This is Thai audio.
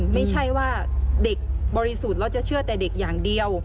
ไม่ใช่ว่าเด็กบริสุทธิ์แล้วจะเชื่อแต่เด็กอย่างเดียว